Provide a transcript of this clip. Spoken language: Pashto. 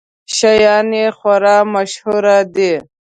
شیان یې خورا مشهور دي.